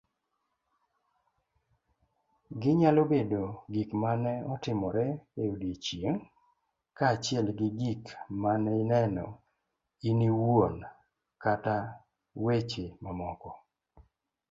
Ginyalo bedo gik mane otimore eodiochieng' , kaachiel gi gik maneineno iniwuon kata weche mamoko